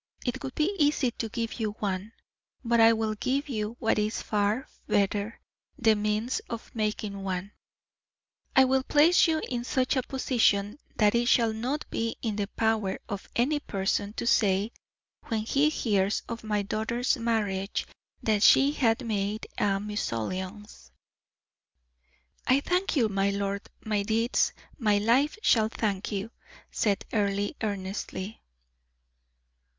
It would be easy to give you one; but I will give you what is far better the means of making one. I will place you in such a position that it shall not be in the power of any person to say, when he hears of my daughter's marriage, that she had made a mesalliance." "I thank you, my lord; my deeds, my life shall thank you," said Earle, earnestly.